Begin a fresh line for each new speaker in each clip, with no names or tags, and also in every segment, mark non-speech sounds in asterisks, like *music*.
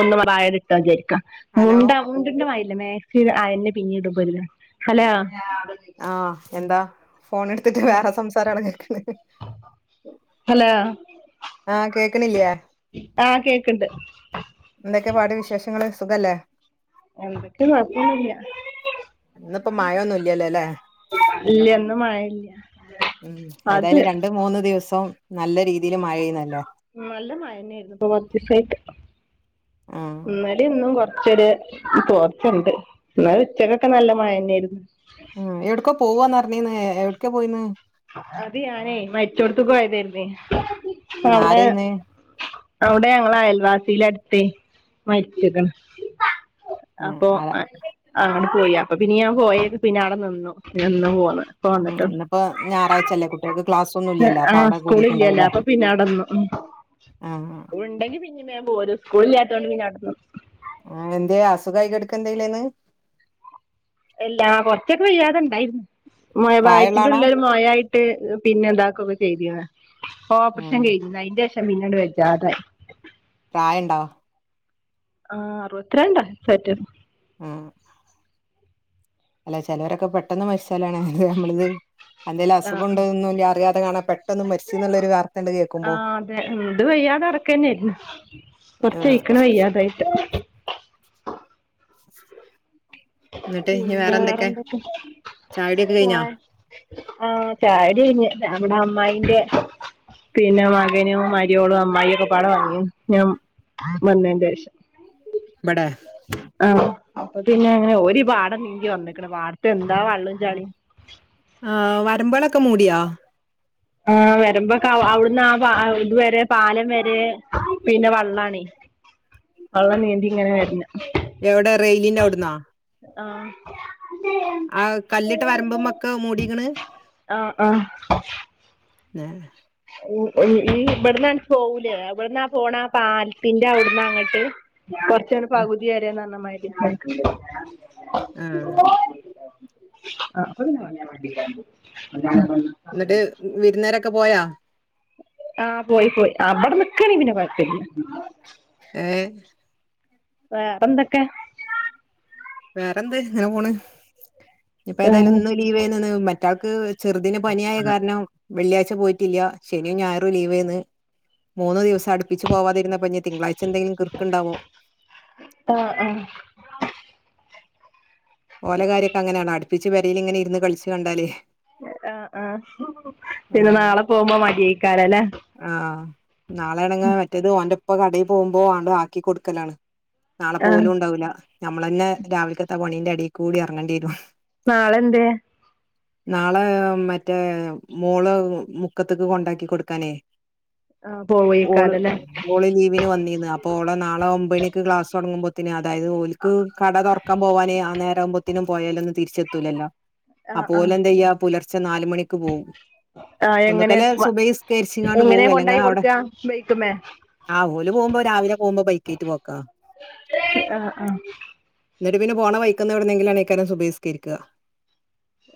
ഒന്ന് മ്പടെ ആയതിട്ടാ വിചാരിക്കാം
ഹലോ
*unintelligible* ഹലോ
ആഹ് എന്താ ഫോണ്എടുത്തിട്ട് വേറെ സംസാരക്കെ കേക്ക് ണ്
ഹലോ
ആഹ് കേക്കണില്ലേ
ആഹ കേക്കണ്ട്
എന്തൊക്കെ പാട് വിശേഷങ്ങള് സുഖല്ലേ
എന്തക്കേ കൊഴപ്പെന്നുല്ല
ഇന്നിപ്പോ മഴയൊന്നും ഇല്ലല്ലോ അല്ലേ
ഇല്ലന്ന് മഴ ല്ലയ
ഉം ഏതായാലും രണ്ട മൂന്ന് ദിവസവും നല്ല രീതിൽ മഴ ആയിരുന്നല്ലോ
ഉം നല്ല മഴ നേയിരുന്നു ഇപ്പൊ കൊച്ചീ സായിട്ട്
ആഹ്
ഇന്നലിം ഇന്നും കൊർച്ചൊര് ചോർച്ചണ്ട് ന്നാലും ഉച്ചക്കൊക്കെ നല്ല മഴന്നേയ്രുന്നു
ഉ എവിടക്ക പോവവാന്ന് അറിഞ്ഞീന്ന് എവിടക്കാ പോയിന്ന്
അത് ഞാനേ മര്ച്ചോട്ത്ത് പോയതേര്ന്ന് പ്പ അവിടെ
ആരേന്ന്
അവിടെ ഞങ്ങ അയൽവാസിയില അടുത്ത് മരിച്ചക്കണ അപ്പൊ
ആഹ്
ആ അങ്ങട്ട് പോയി അപ്പൊ പിന്നെ ഞാൻ പോയേ പിന്നെ അവിടെ നിന്നു നിന്ന് പോന്ന് ഇപ്പം വന്നിട്ടെ ള്ളു
അപ്പൊ ഞായറാഴ്ചല്ലേ കുട്ട്യോൾക്ക് ക്ലാസ് ഒന്നും ഇല്ലല്ലോ
ആ
അപ്പൊ അവിടെ
സ്കൂളില്ലല്ലോ
കൂടിട്ടുണ്ടാവൂലേ
അപ്പൊ പിന്നെ അവിടെ നിന്നു
ആഹ് ആഹ്
ഇനി വേ പോരു സ്കൂളില്ലാത്തോട്ട് പിന്നെ അവിടെന്ന്
ആ എന്തേ അസുഖായി കെട്ക്കാ എന്തേലേന്ന്
എല്ലാ കൊറച്ചൊക്കെ വയ്യാതണ്ടായിരുന്നു
പ്രായമുള്ള
വയ്യറ്റിന്റെ
ആളാ
ഒളിൽ ഒരു മഴാആയിട്ട് പിന്നെ ന്താക്കൊ കേ ചെയ്തതാ ഓപ്പറേഷം
ഉം
ചെയ്തതാ അയ്ന്റെ റ്റ മിന്നെണ്ട് വച്ചാതായി
പ്രായം ഉണ്ടോ
ആഹ് അറുപത്തിരണ്ടാ സെറ്റ
മ് അല്ല ചേലോരൊക്കെ പെട്ടെന്ന് മരിച്ചാലാണ് നമ്മളിത് എന്തേലും
ആ
അസുഖംണ്ട്ന്ന് ലും അറിയാതെ കാണാ പെട്ടന്ന് മരിച്ച് ന്ന്ള്ളൊരു വാർത്തയണ്ട്
ആ
കേക്കുമ്പോ
അതെ എന്ത് വയ്യാത ക്കെന്നരുന്നു. കൊറച്ച്
ആഹ്
ആഴിക്കണ വയ്യാതായിട്ട്
എന്നിട്ട് ഇനി
പിന്നെ
വേറെ എന്തൊക്കെ
വേറെന്തക്കെ
ചായടിയൊക്കെ കഴിഞ്ഞാ
പോയേ ആഹ ചാ *unintelligible* നമ്മടെ അമ്മായിന്റെ പിന്നെ മകനും മരിയോളും അമ്മായി ഒക്കെ പാടെ വന്നീന്നു ഞാൻ വന്നേന്റെ ഷം
ഇബടെ
ആ അപ്പൊ പിന്നെ അങ്ങനെ ഒര് പാടം നീന്തിയാ വന്ന്ക്ക്ണേപാടത്ത് എന്താ വ ള്ളും ചളിം
ആഹ് വരമ്പളൊക്കെ മൂടിയോ
ആഹ് വരമ്പ് ക്കെ ആ അവിടുന്ന് ആ പാ ആ ഇതുവരെ പാലം വരെ പിന്നെ വള്ളാണേ വള്ളം നീന്തി ങ്ങനെ വര്നം
എവിടെ റെയിലിന്റെ അവിടുന്നാ
ആഹ്
ആ കല്ലിട്ട് വരമ്പുമൊക്കെ മൂടിക്കണ്
ആഹ് ആഹ്
ന്നേ
ഉം ഇവിടന്ന് പോവൂലേ എവിടന്നാ പോണാ പാലത്തിന്റെ അവിടന്ന അങ്ങറ്റ് കൊറച്ചണ് പകുതി വരെന്ന പറഞ്ഞ മാതിരി
ആഹ്
*unintelligible*
എന്നിട്ട് വിരുന്നേരൊക്കെ പോയാ
ആഹ് പോയി പോയി അവിടെ നിക്കണേ പിന്നെ കുഴപ്പമില്ല
ഏഹ്
വേറെന്തക്കെ
വേറെന്ത് ഇങ്ങനെ പോണ് ഇപ്പ ഏതായാലും
ആഹ്
ഇന്ന് ലീവേന്നന്ന് മറ്റാൾക്ക് ചെറുതിന് പനിയായ കാരണം വെള്ളിയാഴ്ച പോയിട്ടില്ല ശനീം ഞായറും ലീവേന്ന് മൂന്ന് ദിവസം അടു പ്പിച്ച് പോവാതിരുന്നപ്പഞ്ഞെ തിങ്കളായ്‌ച എന്തേലും കിർക്കണ്ടാവോ
ആഹ് ആഹ്
ഓലകാര്യോക്കെ അങ്ങനെയാണ് അടുപ്പിച്ച് പെരേല് ഇങ്ങനെ ഇരുന്ന് കളിച്ച് കണ്ടാലേ
ആഹ് ആഹ്
ആ
പിന്നെ നാളെ പോകുമ്പോ മടിയായിക്കാണല്ലാ
ആഹ് നാളെണങ്ങ് മറ്റേത് ഓന്റുപ്പ കടേ പോകുമ്പോ ആണ്ട് ആക്കി കൊടുക്കലാണ് നാളെ
ആഹ്
പോവലും ഉണ്ടാവൂല്ല നമ്മളന്നെ രാവിലക്കത്ത പണിന്റെ അടിക്കൂടി എറങ്ങേണ്ടി വരും
നാളെ എന്തേ
നാളെ മറ്റേ മോള് മുക്കത്തക്ക് കൊണ്ടാക്കി കൊടുക്കാനേ
ആഹ്
ഓള്
പോവേക്കാരല്ലേ
ഓള് ലീവിന് വന്നീന്ന് അപ്പോ ഓള് നാളെ ഒമ്പയ്ണിക്ക് ക്ലാസ്സൊടങ്ങുമ്പോ ത്തിന് അതായത് ഓലിക്ക് കട തൊറക്കാൻ പോവാനേ ആ നേരം ആവുമ്പത്തിന് പൊയേലൊന്ന് തിരിച്ചെത്തൂല്ലല്ലോ
ആഹ് ആഹ്
അപ്പോലെന്ത ചെയ്യാ പുലർച്ച നാല് മണിക്ക് പോകും
ആഹ് എങ്ങനെ
ഒന്നുക്കല്ലേ സുബഹി നിസ്കരിച്ചിങ്ങാണ്ട്
എങ്ങനെ
പോവു അല്ലെങ്ങാ
കൊണ്ടായി
അവിടെ
കൊടുക്കാ ബൈക്കുമ്മേ
ആ ഓല് പോകുമ്പോ രാവിലെ പോവുമ്പോ ബൈക്കേറ്റ് പോക്കാ
ആഹ് ആഹ്
എന്നിട്ട് പിന്നെ പോണ വൈക്കന്ന് എവിടെന്നങ്കിലാണ് ഇക്കാരൻ സുബഹി നിസ്‌ക്കരിക്കുക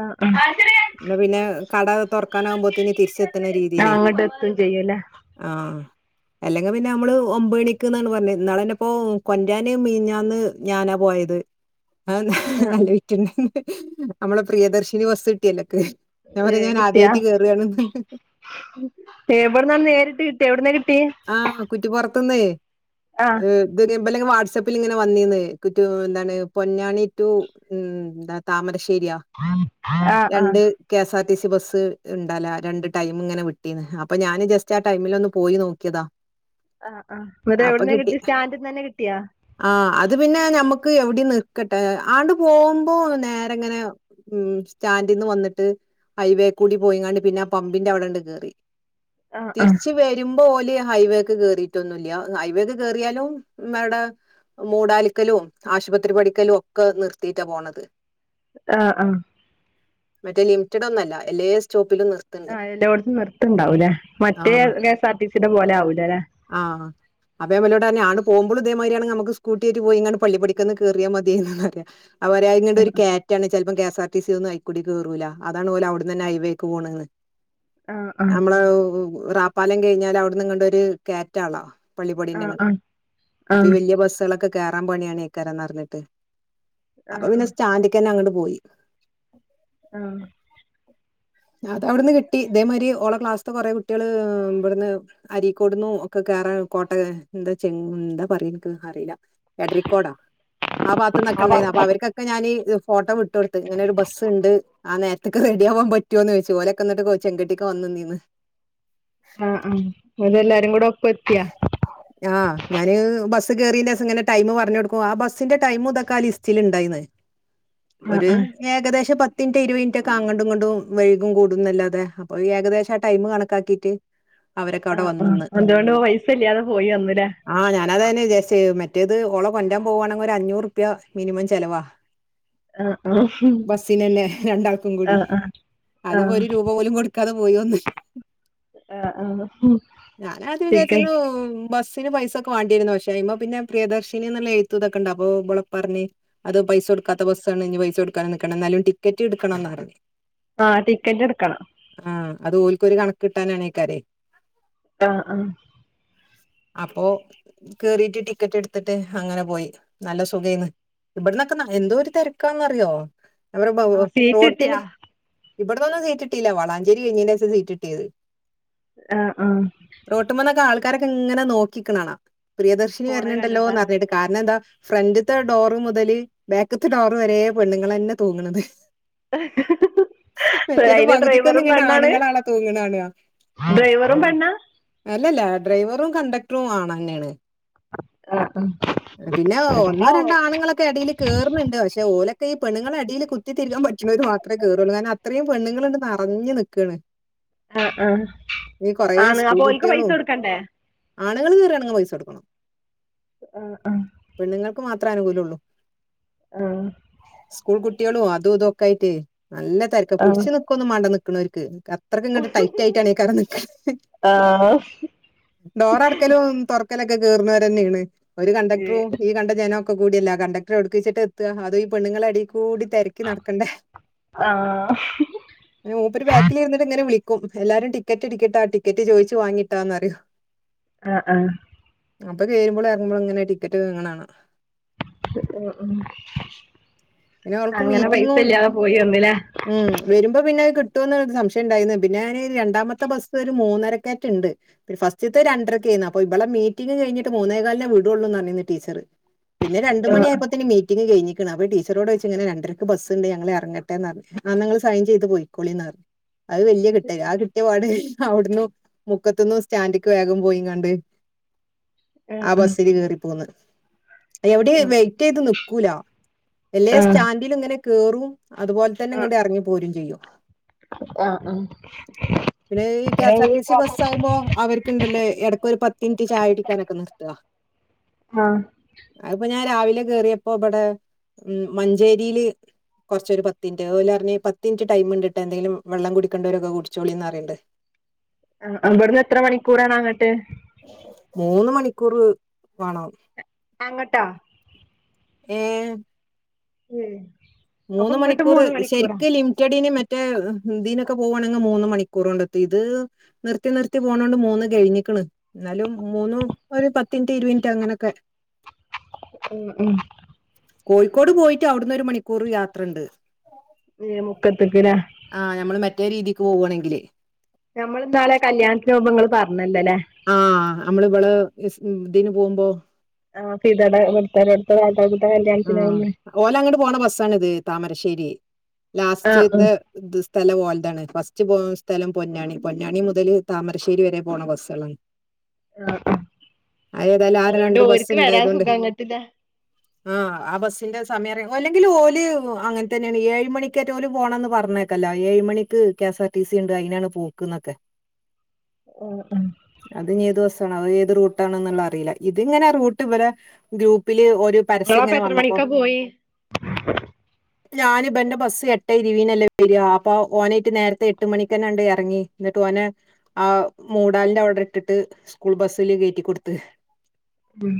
ആഹ് ആഹ്
എന്നാ പിന്നെ കട തുറക്കാനാവുമ്പോത്തിന് തിരിച്ചെത്തുണ രീതി
ആ അങ്ങട് എത്തും ചെയ്യൂല്ലേ
ആഹ് അല്ലെങ്കിൽ പിന്നെ ഞമ്മള് ഒമ്പൊയ്ണിക്ക്ന്നാണ് പറഞ്ഞേ ഇന്നാളന്നപ്പോ കൊൻ്റാന് മീഞ്ഞാന്ന് ഞാനാ പോയത് ആഹ് ആലോയിക്കുണേ നമ്മളെ പ്രിയദർശിനി ബസ് കിട്ടിയല്ലോക്ക് ഞാൻ
ഏ
പറയാ ഞാൻ
കിട്ടിയാ
ആദ്യായിട്ട് കേറാണ്ന്ന്
എവിടന്നാണ് നേരിട്ട് കിട്ടി എവിടന്നാ കിട്ടി
ആഹ കുറ്റിപ്പുറത്തു നിന്ന്
ആഹ്
ഏ- ഇബലെകെവാട്സആപ്പിൽ ഇങ്ങനെ വന്നിന്ന് കുറ്റ എന്താണ്. പൊന്നാണി ടു ഉം എന്താ താമരശ്ശേരിയാ.
ആഹ ആഹ
രണ്ട് K S R T C bus ഉണ്ടല്ല രണ്ട് ടൈം ഇങ്ങനെ വിട്ടീന്ന് അപ്പൊ ഞാന് ജസ്റ്റ് ആ ടൈമിലൊന്ന് പോയി നോക്കിയതാ
ആഹ് ആഹ് അതെ എവിടെന്ന കിട്ടി സ്റ്റാൻഡിന്ന് തന്നെ കിട്ടിയാ
ആ അത് പിന്നെ ഞമ്മക്ക് എവിടേം നിർ കെട്ടെ ആണ്ട് പോകുമ്പോ നേരെങ്ങനെ ഉം സ്റ്റാൻഡിന്ന് വന്നിട്ട് ഹയ്‌വേ കൂടി പോയിങ്ങാണ്ട് പിന്നെ ആ പമ്പിന്റെ അവിടെണ്ട് കേറി
ആഹ് ആഹ്
തിരിച്ച് വെര് വരുമ്പോ ഓല് ഹൈവേക്ക് കേറീട്ടൊന്നുല്ല ഹൈവേ ഒക്കെ കേറിയാലും മേടെ മൂടാലിക്കലും ആശുപത്രി പഠിക്കലും ഒക്കെ നിർത്തിട്ടാ പോണത്
ആഹ് ആഹ്
മറ്റേ ലിമിറ്റഡ് ഒന്നല്ല എല്ലേ സ്റ്റോപ്പിലും നിർ
ആഹ് എല്ലോട്ത്തും നിർത്ത്ണ്ടാവൂലെ മറ്റെ കെ സ്ആർടിസി നെ പേലേ ആവൂലലെ
ആഹ അപ്പം ഭംലോടെപറഞ്ഞു ആല് പോകുബോയും ഇതേ മാതിരി ആണെങ്കിൽ നമ്മക് സ്‌കൂട്ടി ആയിട്ടു പോയി ഇങ്ങട്ട്പള്ളി പഠിക്കന്ന് കയറിയ മതിയാരുന്നു. അവര് അയിരുന്നുഒരു കെറ്റാണ് ചിലപ്പ കെസ്ർടി സി ഒന്നും അതിൽക്കൂടി കയറൂ അതാണ് പോലെ അവിടന്ന്ഹൈവേക്ക് പോണത്.
ആഹ് ആഹ്
നമ്മള് റാപ്പാലം കഴിഞ്ഞാൽ അവിടുന്ന് ഇങ്ങണ്ട്ഒരു കായറ്റ ആണല്ലോ പള്ളി പടിന്റെ
ആഹ്
അങ്ങ
ആഹ്
അപ്പൊ
ആഹ്
ഈ വലിയ ബസ്സുകളൊക്കെ കേറാൻ പണിയാണ് ക്കാരന്ന് പറഞട്ട് അപ്പൊ
ആഹ്
പിന്നെ സ്റ്റാൻഡക്ക് തന്നെ അങ്ങട്പോയി.
ആഹ
അതു അവിടുന്ന് കിട്ടി ഇതേമാതിരി ഓളോ ക്ലാസ്സിന്കുറെ കുട്ടികള് ഇവിടുന്ന് അരിക്കോടുന്നു ഒക്കെ കേയറാൻ കോട്ട എന്താ ചെ യ്ന്ന്എന്താ പറയുന്ന്എനിക്ക് അറിയില്ല എടരികോടാആ ഭാകത്ത്ന്ന് നിന്നൊക്കെ ഉണ്ടായിരുന്നു അപ്പൊ
ആഹ്
അവർക് ഓ ഒക്കെ ഞാനി ഫോട്ടോ വിട്ട് കൊടുത്ത് ഇങ്ങനെ ഒരു ബസ് ഉണ്ട് ആ നേരത്ത്ക്റെഡി ആവാൻ പറ്റും പറ്റോന്ന് ചോയിച്ചു ഓലെക്ക എന്നിട്ട്ചെകാട്ടിക്ക് വന്ന നീ നിന്നിനി.
ആഹ് ആ അതെല്ലാരും കൂടെ ഒപ്പം എത്തിയാ.
അ ആഹ് ഞാന് ബസ് കേയറിന്റെ ഇങ്ങനെ ടൈമപറഞ് കൊടുക്കും ആ ബസ്സിന്റെ ടൈം ഇതൊെ ആ ലിസ്റ്റിൽ ഉണ്ടായിരുന്നു.
ആഹ്
ഒരു
ആഹ്
ഏകദേശം പത്ത് മിനിറ്റ് ഇരുപത് മിനിറ്റ് ഒക്കെ അങ്ങണ്ടും ഇങ്ങണ്ടും വൈകും കൂടുന്നല്ലാതെ അപ്പൊ ഏകദേശം ആ ടൈം കണക്കാക്കിട്ട്
ആ ആഅതുകൊണ്ട് പൈസഇല്ലാതെ പോയി വന്നുല്ലോ.
ആഞാൻ അതന്നെ വിചാരിച്ച്മറ്റേത്ഓളെകൊണ്ടരാൻ പോകവാണെങ്കിൽ ഒരു അഞ്ഞൂറ് ഉറുപ്യ മിനിമം ചെലവാ.
ആഹ് ആഹ്
ബസിൽ ലനെ രണ്ടാൾക്കും കൂടി
ആഹ് ആഹ്
അത് ഇപ്പോ ഒരു
ആഹ്
രൂപ പോലും കൊടുക്കാതെ പോയി വന്ന്.
ആഹ് ആഹ്
ഞാൻ അത് വിചാരിച്ച്
ടിക്ക
തന്നെബസ് ബസിന് പൈസ ഒക്കെ വേണ്ടി വരുന്നു വച്ച്അതിമോ പിന്നെ പ്രിയദർശിനി എന്നുളള എഴുത്തതൊക്കെണ്ട അപ്പോ ഇവളെ ഉപ്പ പറഞ്. അത് പൈസ കൊടുക്കാത്ത ബസ്സണ് ഇനി പൈസ കൊടുക്കൻ നിക്കണം എന്നാലും ടിക്കറ്റ് എടുക്കണന്ന് പറഞ്ഞ്.
ആഹ് ടിക്കറ്റ് എടുക്കണം
ആഹ് അത് ഓൽക്ക് ഒരു കണക്ക് കിട്ടാനാൽക്കാരം
ആഹ ആഹ
അപ്പോ കെറിട്ട് ടിക്കറ്റ് എടുത്തിട്ട് അങ്ങനെ പോയി നല്ല സുഖ യിരുന്നു. ഇവിടന്നൊക്കെ എന്തോ ഒരു തിരക്കാന്ന്റിയോ
ആഹ് സീറ്റ്
റോട്ടീന്
കിട്ടിയാ
ഇവിടന്നൊന്നും സീറ്റിട്ടില്ല വളാഞ്ചോരി കഴിഞ്ഞതിന് ശേഷംസീറ്റ് കിട്ടിയത്
ആഹ് ആഹ്
റോട്ടുമന്നൊക്കെ ആൾക്കാരൊക്കെ ങ്ങനെ നോക്കി നിൽക്ക്ണ്കണാം പ്രിയദർശിനി
പോണ
വര്ണ്
കണ്ടിട്ടാ
ണ്ടലോപറഞ്ഞിട്ട് കാരണം എന്താ ഫ്രണ്ടത്തെ ഡോറ് മുതല് ബാക്ക്ത്തെ ഡോറ് വര പെണ്ണുങ്ങൾ തന്നെ തൂങ്ങ്ണത്.
*unintelligible*
മറ്റേത്
അയില്
പകുതിക്കൊന്നും
ഡ്രൈവറും
ഇങ്ങട്
പെണ്ണാണ്
ആണുങ്ങളാണ് തൂങ്ങുണത് കാണാ.
ഡ്രൈവറും പെണ്ണാ
അല്ലല്ല ഡ്രൈവറും കണ്ടെക്ടറുംആൺ ന്നെയാണ്.
ആഹ്
പിന്നെ ഒന്നോ രണ്ടോ ആണുങ്ങളൊക്കെ ഇടയില് കേറുന്നുണ്ട് പക്ഷെ ഓലൊക്കെ ഈ പെണ്ണുങ്ങളുടെ അടിയില് കുത്തിതിരിക്കാൻ പറ്റണത് മാത്രമേ കേറൊള്ളൂ കാരണംഅത്രയും പെണ്ണുങ്ങള് ഇങ്ങനെ നിറഞ് നിക്കാണ്
ആ ആ ആണ്
സ്കൂൾ
അപ്പൊ ഓൽക്ക്പൈസ
കുട്ടികളും
കൊടുക്കണ്ടേ.
ആണുങ്ങൾ കേറാണങ്കിൽപൈസ കൊടുക്കണം.
ആഹ ആഹ
പെണ്ങ്ങൾക്ക് മാത്രേ അനുകൂലം ഉള്ളൂ.
ആഹ
സ്കൂൾ കുട്ടികളും അതും ഇതും ഒക്കെ ആയിട്ട് നല്ല തിരക്
ആ
പിടച്ച് നിക്ക പിടിക്കുന്നു വേണ്ടനിക്ക്ണോൽക്ക് അത്രക്ക ഇങ്ങോട്ട് ടൈറ്റ് ആയിട്ടാണ് നിൽക്കല്ഡോർ അടക്കലും തുറ ഇങ്ങനെ ഒക്കെ കേറുനോർന്നെയാണ് ഒരു കണ്ടക്ടറും ഈ കണ്ട ജനം ഒക്കെ ഒക്കെ കൂടിയല്ല കണ്ടക്ടറെ എവിടക്ക വെച്ചിട്ട് എത്തുക അതു പെണ്ണുങ്ങളുടെ അടി കൂടിതിരക്കി നടക്കണ്ടേ?
ആ
മൂപ്പര് ബാക്കിലിരുന്നിട്ട്ഇങ്ങനെ വിളിക്കും. എല്ലാരും ടിക്കറ്റ് ഇ ടി ക്കേട്ടോ ടിക്കറ്റ് ചോദിച്ചു വാങ്ങിട്ടാന്ന് പറയും. *inaudible*
ആ ആ
അപ്പൊ കേറുമ്പോഴും ഇറങ്ങുമ്പോഴും ഇങ്ങനെ ടിക്കറ്റ് *unintelligible*
ഉം ഉം
പിന്നെ അവൾക്ക്
അങ്ങനെ പൈസ
മീറ്റിങ്ങും
ഇല്ലാതെ പോയി വന്നില്ലേ?
ഉം വരുമ്പോ പിന്നെ അത് കിട്ടുമെന്ന് സംശയം ഉണ്ടായിരുന്നു. പിന്നെ രണ്ടാമത്തെ ബസ് ഒരു മൂന്നരക്കേറ്റ് ഉണ്ട്. ഫസ്റ്റിലത്തെ രണ്ടരയ്ക്കായിരുന്നു. അപ്പൊ ഇവളെ മീറ്റിങ്ങ്കഴിഞ്ഞിട്ട് മൂന്നേ കാലിനെ വിടുള്ളൂന്ന് പറഞ്ഞു ടീച്ചർ. പിന്നെ രണ്ട്
ആ
മണിയായപ്പോ തന്നെ മീറ്റിങ്ങ്കഴിഞ്ഞേക്കണു അപ്പം ടീച്ച രോട് ചോദിച്ച് ഇങ്ങനെ രണ്ടരയ്ക്ക് ബസ് ഉണ്ട് ഞങ്ങള് ഇറങ്ങട്ടെ എന്ന് പറഞ്ഞു. ആ നിങ്ങള് സൈൻ ചെയ്ത് പോയിക്കോളിന്ന് പറഞ്ഞു. അത് വലിയ കിട്ടല് ആ കിട്ടിയപാട് അവിടന്നും മുക്കത്തുന്നും സ്റ്റാന്റിലേക്ക് വേഗം പോയിങാണ്ട് ആ ബസില് കയറി പോന്ന്
ആ ആ
എവിടെയും വെറ്റ് ചെയ്ത് നിക്കൂല.
ആ
എല്ലാംസ്റ്റാന്റിലും ഇങ്ങനെ കേറും അതുപോലെ തന്നെ ഇങ്ങോട്ട് ഇറങ്ങി പോരുകയും ചെയ്യും.
ആ ആ
വിടെ ഈ K, S, R, T, C, bus ആകുമ്പോ അവർക്കുണ്ടല്ലേ ഇടക്ക് ഒരു പത്തുമിനിറ്റ് ചായകുടിക്കാനൊക്കെ നിർത്തുക.
ആ
അതിപ്പോ ഞാൻ രാവിലെ കേയറിയപ്പോ ഇവിടെ ഉം മഞ്ചേരിയില് കുറച്ച് ഒരു പത്തു മിനിറ്റ് ഓല് പറഞ്ഞു പത്തു മിനിറ്റ്ടൈം ഉണ്ട് കോട്ടോ എന്തെങ്കിലും വെള്ളം കുടിക്കണ്ടവരൊക്കെ കുടിച്ചോളിന്ന് പറയുന്നുണ്ട്.
ആ ഇവട്ന്ന് എത്ര മണിക്കൂറാണ് അങ്ങട്ട്?
മൂന്ന് മണിക്കൂർ വാ ണം.
അങ്ങട്ടോ?
ഏമ്
ഉം അപ്പൊ
മൂന്ന്
ഇങ്ങോട്ട്
മണിക്കൂർ
മൂന്ന് മണിക്കൂറാ
ശരിക്കും ലിമിറ്റഡിന് *unintelligible* മറ്റേ ഇതിനൊക്കെ പോവുവാണെങ്കിൽ മൂന്ന് മണിക്കൂർ കൊണ്ട്എത്തുംഇത് നിർത്തി നിർത്തി പോണോണ്ട് മൂന്ന് കഴിഞ്ഞിക്കണ്. ന്നാലും മൂന്നും ഒരു പത്ത് മിനിറ്റ് ഇരുപത് മിനിറ്റ് അങ്ങനൊക്കെ.
ഉം ഉം
കോഴിക്കോട് പോയിട്ട് അവിടുന്ന് ഒരു മണിക്കൂർ യാത്രയുണ്ട്.
*unintelligible* യെ മുക്കത്ത് ലെ
ആ നമ്മൾ മറ്റേ രീതിക്ക് പോവാണെങ്കില്-
നമ്മൾ ഇന്നാളെ കല്യാണത്തിനു പോകുമ്പോ ഇങ്ങള്പറഞ്ഞില്ലല്ലേ
ആ നമ്മള് ഇവള് ഇതി *unintelligible* ന് പോകുമ്പോ
ആ ഫീതെടെ *unintelligible* *unintelligible*
ഉം ഓല് അങ്ങോട്ട് പോണ ബസ്സണിത് താമരശ്ശേരി
ആഹ്
ലാസ്റ്റത്തെ ത് സ്ഥലം ഓൽതാണ് ഫസ്റ്റ് പോ സ്ഥലം പൊന്നാനി പൊന്നാനി മുതല് താമരശ്ശേരി വെരെ പോണ ബസ്സെളാണ്
ആഹ്
അത് ഏതായാലും ആ രണ്ട് ബസ്സ്ണ്ടായതോണ്ട്
പിന്നെ
ആ ആ ബസിന്റെ സമയം അല്ലെങ്കിൽ ഓല് അങ്ങനെ തന്നെയാണ് ഏഴ് മണികേറ്റാ പോണംന്ന് പറഞ ല്ല ഏഴു മണിക്ക് K S R T C ഉണ്ട് അയിനാണ് പോക്ക്ന്നൊക്കെ
ഓ
അത് ഏത് ബസ് ആണോ ഏ റൂട്ടാണോ എന്നുള്ളത് അറിയി ല്ല ഇത് ഇങ്ങനെ റൂട്ട് ഇവരെ ഗ്രൂപ്പില് ഒരു
നി *unintelligible*
പരസ്യം ഇങ്ങനെ
ങ്ങളപ്പംഎത്ര
വന്നപ്പോ
മണിക്കാ പോയി
ഞാൻ ഇബന്റെ ബസ്സ് എട്ട് ഇരുപതിനല്ലേ വരിക അപ്പൊ ഓനാ യിട്ട്നേരത്തെ എട്ട് മണിക്ക് ന്നെയങി ഇറങ്ങി. ന്നട്ട് ഓനെ ആ മൂടാലിന്റെ ഓർഡർ ഇട്ടിട്ട് സ്കൂൾ ബസ്സില് കയറ്റിക്കൊടുത്ത്
ഉം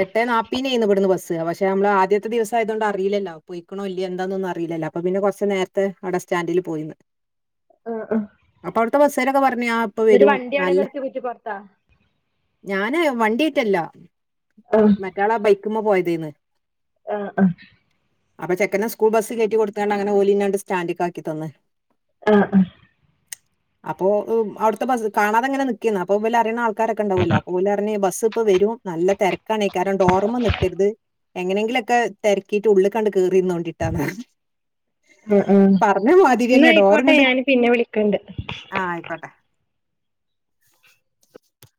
എട്ടേ നാപ്പിനേന്ന് ഇബട്ന്ന് ബസ് സ് പക്ഷെ ഞമ്മളെ ആദ്യത്തെ ദിവസായതോണ്ട് അറീല്ലല്ലോ പാേയ്ക്ക്ണാേ ഇല്ലേ എന്താന്നൊന്നും അറീലല്ലോ അപ്പ പിന്നെ കൊർച്ച് നേര് ത് അടെ സ്റ്റാൻഡ്ല് പോയിന്ന്
ആഹ് ആഹ്
അപ്പ അവ്ട്ത്തെ ബസേരാെക്കെ പർഞ്ഞ് ആ ഇപ്പൊ
ന്നട്ട്
വരും
വണ്ടി എവ്ടെ
നല്ല
നിർത്ത്യേ കുറ്റി പൊർത്താ
ഞാന് വണ്ടീയ്റ്റല്ലാ
ആഹ്
ക്കാന്നാ ബൈക്ക്മ്മെ പോയെതേന്ന്
ആഹ് ആഹ്
അപ്പ ചെക്കനെ സ്കൂൾ ബസ്സ് കേറ്റി കൊട്ത്താണ്ട് അങ്ങനെ ഓലിന്നാണ്ട് സ്റ്റാൻഡ്ക്കാക്കി തന്ന്
ആഹ് ആഹ്
അപ്പൊ അവ്ട്ത്തെ ബസ് കാണാതെങ്ങനെ നിക്കേന്ന് അപ്പൊ ബലറീണ ആൾ ക്കാരക്കെണ്ടാവാെല്ലോ അപ്പോലർഞ്ഞ് ബസ് ഇപ്പം വെരും നല്ല തെരക്കാണെയ്ക്കാരം ഡോറ്മ നിക്കര്ത് എങ്ങെനെങ്കിലൊക്കെ തെരക്കീട്ട് ഉള്ള്ക്കാണ്ട് കേറിര്ന്നാേണ്ടിട്ടാ പർ
ആഹ് ആഹ് ഇന്നായ്ക്കോട്ടെ ഞാന് പിന്നെ വിളിക്കണ്ട്
ആഹ് അയ്ക്കോട്ടെ